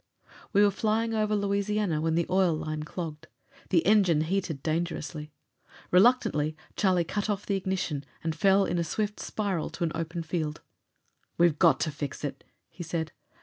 We were flying over Louisiana when the oil line clogged. The engine heated dangerously. Reluctantly, Charlie cut off the ignition, and fell in a swift spiral to an open field. "We're got to fix it!" he said.